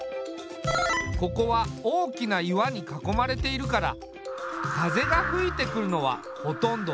ここは大きな岩に囲まれているから風が吹いてくるのはほとんど海から。